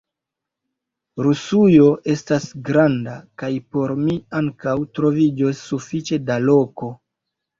Rusujo estas granda, kaj por mi ankaŭ troviĝos sufiĉe da loko!